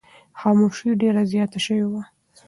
خاموشي ډېره زیاته شوې وه.